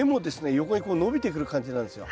横にこう伸びてくる感じなんですよ。